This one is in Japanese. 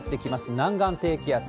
南岸低気圧。